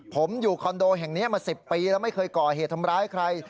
ผมอยู่คอนโดแห่งนี้มา๑๐ปีแล้วไม่เคยก่อเหตุทำร้ายใคร